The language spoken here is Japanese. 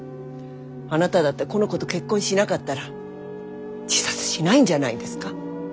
あなただってこの子と結婚しなかったら自殺しないんじゃないですか？